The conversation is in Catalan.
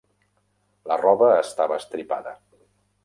La roba estava estripada.